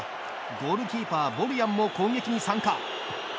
ゴールキーパー、ボルヤンも攻撃に参加。